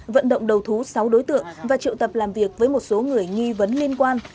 vận động đầu thú sáu đối tượng và triệu tập làm việc với một số người nghi vấn liên quan